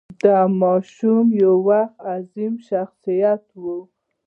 دا ماشوم به یو وخت یو عظیم شخصیت وي.